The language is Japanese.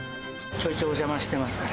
ちょいちょいお邪魔してますから。